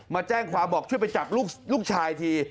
มาแจ้งความบอกช่วยไปจับลูกชายที